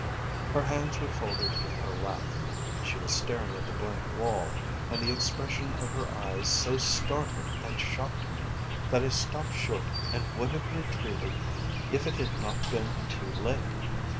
Her hands were folded in her lap. She was staring at the blank wall, and the expression of her eyes so startled and shocked me that I stopped short and would have retreated if it had not been too late.